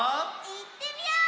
いってみよう！